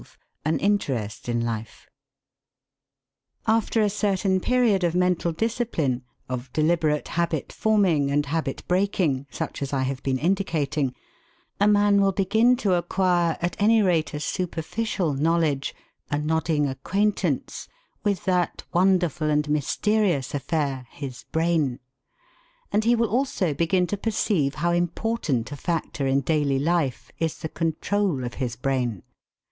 XII AN INTEREST IN LIFE After a certain period of mental discipline, of deliberate habit forming and habit breaking, such as I have been indicating, a man will begin to acquire at any rate a superficial knowledge, a nodding acquaintance, with that wonderful and mysterious affair, his brain, and he will also begin to perceive how important a factor in daily life is the control of his brain.